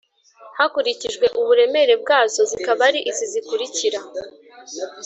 hakurikijwe uburemere bwazo zikaba ari izi zikurikira